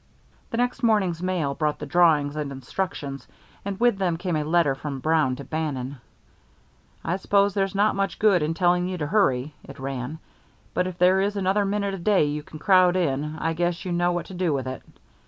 The next morning's mail brought the drawings and instructions; and with them came a letter from Brown to Bannon. "I suppose there's not much good in telling you to hurry," it ran; "but if there is another minute a day you can crowd in, I guess you know what to do with it.